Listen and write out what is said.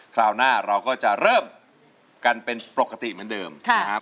คราวหน้าเราก็จะเริ่มกันเป็นปกติเหมือนเดิมนะครับ